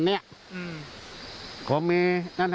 ได้ยินเสียง